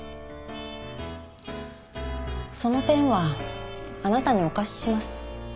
そのペンはあなたにお貸しします。